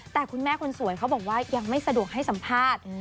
แต่คุณแม่คนสวยเขาบอกว่ายังไม่สะดวกให้สัมภาษณ์